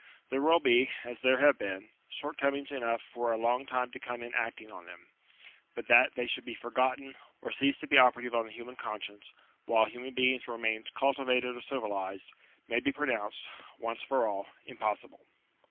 There will be, as there have been, shortcomings enough for a long time to come in acting on them ; but that they should be forgotten, or cease to be operative on the human conscience, while human beings remain cultivated or civilized, may be pro nounced, once for all, impossible.